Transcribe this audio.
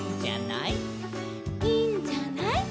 「いいんじゃない」